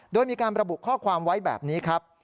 โดยมีการระบุข้อความไว้แบบนี้ครับ